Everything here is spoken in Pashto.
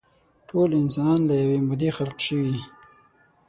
ټول انسانان له يوې مادې خلق شوي.